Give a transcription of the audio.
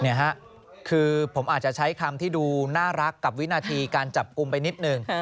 คือผมอาจจะใช้คำที่ดูน่ารักกับวินาทีการจับกลุ่มไปนิดหนึ่ง